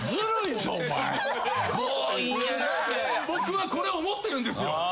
僕はこれ思ってるんですよ！